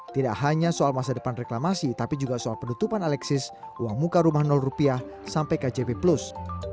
tidak hanya soal masa depan reklamasi tapi juga soal penutupan alexis uang muka rumah rupiah sampai kjp plus